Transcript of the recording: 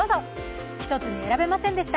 １つに選べませんでした。